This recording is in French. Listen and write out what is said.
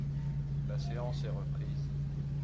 La séance est reprise.